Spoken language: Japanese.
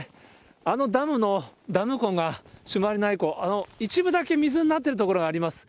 あのダムのダム湖が朱鞠内湖、一部だけ水になってる所があります。